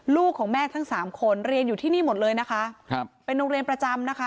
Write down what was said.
ลูกของแม่ทั้งสามคนเรียนอยู่ที่นี่หมดเลยนะคะครับเป็นโรงเรียนประจำนะคะ